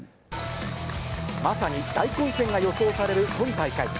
まさに大混戦が予想される今大会。